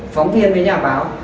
phóng viên với nhà báo